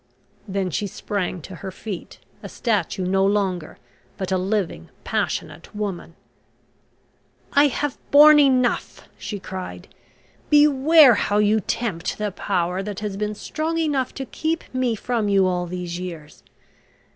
Then she sprang to her feet, a statue no longer, but a living, passionate woman. "I have borne enough," she cried. "Beware how you tempt the power that has been strong enough to keep me from you all these years.